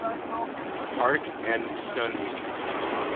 Park and Sunmi.